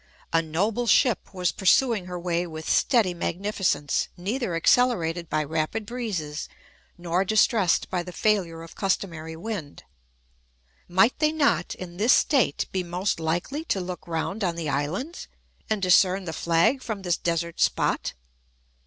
A noble ship was pursuing her way with steady magnificence, neither accelerated by rapid breezes, nor distressed by the failure of customary wind. Might they not, in this state, be most likely to look round on the islands, and discern the flag from this desert spot?